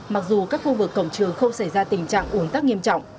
mặc dù các khu vực cổng trường không xảy ra tình trạng ủn tắc nghiêm trọng